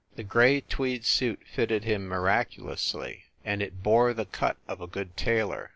The gray tweed suit fitted him miracu lously and it bore the cut of a good tailor.